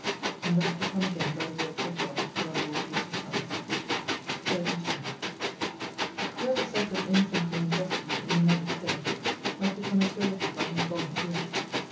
And thus we come again by the Works of God to our Lord JESUS CHRIST. 32 Whoever suffereth innocently and justly in another's stead, must become a surety by his voluntary act.